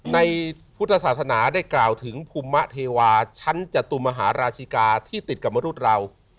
ในพุทธศาสนาได้กล่าวถึงภูมิเทวาชั้นจตุมหาราชิกาที่ติดกับมนุษย์เรา